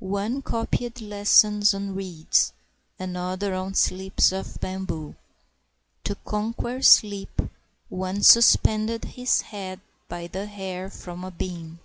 One copied lessons on reeds, another on slips of bamboo; To conquer sleep one suspended his head by the hair from a beam.